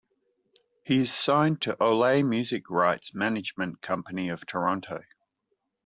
He is signed to ole music rights management company of Toronto.